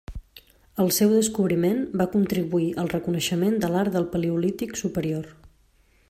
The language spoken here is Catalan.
El seu descobriment va contribuir al reconeixement de l'art del Paleolític superior.